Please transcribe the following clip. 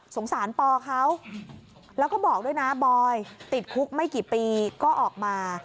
สารปอเขาแล้วก็บอกด้วยนะบอยติดคุกไม่กี่ปีก็ออกมา